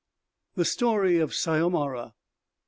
THE STORY OF SYOMARA.